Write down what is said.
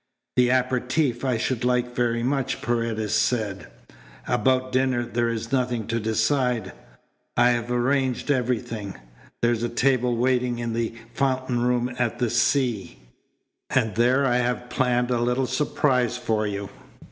"The aperitif I should like very much," Paredes said. "About dinner there is nothing to decide. I have arranged everything. There's a table waiting in the Fountain Room at the C and there I have planned a little surprise for you."